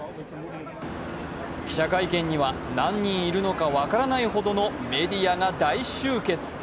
記者会見には何人いるのか分からないほどのメディアが大集結。